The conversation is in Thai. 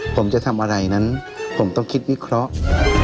ผมจะทำอะไรนั้นผมต้องคิดวิเคราะห์